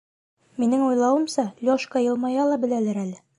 Минең уйлауымса, Лёшка йылмая ла беләлер әле.